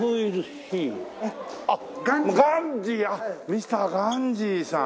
ミスターガンジーさん。